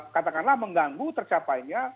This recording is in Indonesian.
katakanlah mengganggu tercapainya